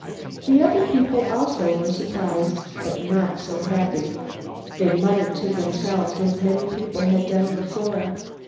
The other people also were surprised, but not so happy. They muttered to themselves, as many people had done before.